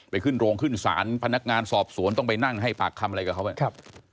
ขึ้นโรงขึ้นศาลพนักงานสอบสวนต้องไปนั่งให้ปากคำอะไรกับเขาแบบนี้